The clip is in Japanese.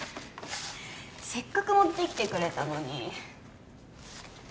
せっかく持ってきてくれたのに。